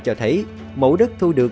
cho thấy mẫu đất thu được